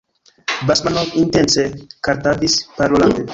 Basmanov intence kartavis parolante.